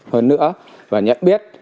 hơn nữa và nhận biết